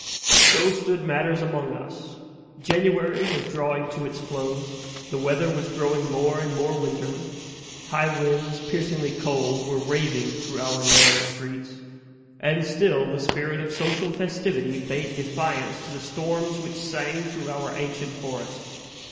So stood matters among us. January was drawing to its close; the weather was growing more and more winterly; high winds, piercingly cold, were raving through our narrow streets; and still the spirit of social festivity bade defiance to the storms which sang through our ancient forests.